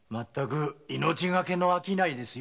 命がけの商いですよ。